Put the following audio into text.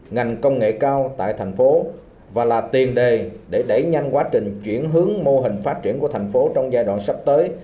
ngành công nghệ cao tại tp hcm và là tiền đề để đẩy nhanh quá trình chuyển hướng mô hình phát triển của tp hcm trong giai đoạn sắp tới